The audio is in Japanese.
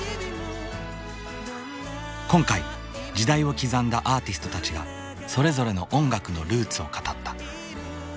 今回時代を刻んだアーティストたちがそれぞれの音楽のルーツを語った。